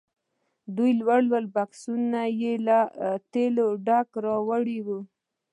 دوه لوی لوی بکسونه یې له تېلو ډک راوړي وو.